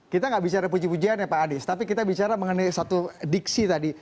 kita nggak bicara puji pujian ya pak adis tapi kita bicara mengenai satu diksi tadi